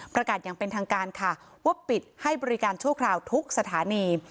อย่างเป็นทางการค่ะว่าปิดให้บริการชั่วคราวทุกสถานี